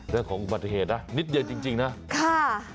เรื่องของอุบัติเหตุนะนิดเดียวจริงนะค่ะ